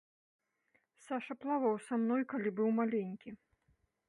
Саша плаваў са мной калі быў маленькі.